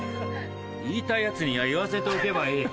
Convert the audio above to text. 言いたいヤツには言わせておけばいい。